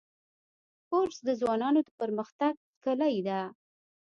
کورس د ځوانانو د پرمختګ کلۍ ده.